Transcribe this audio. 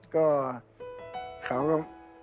ก็เขาก็